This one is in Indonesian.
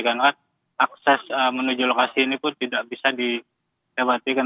dengan akses menuju lokasi ini pun tidak bisa dihebatkan